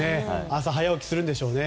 朝、早起きするんでしょうね。